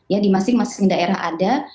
ya di masing masing daerah ada